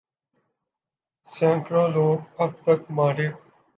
سینکڑوں لوگ اب تک مارے